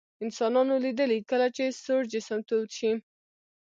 انسانانو لیدلي کله چې سوړ جسم تود شي.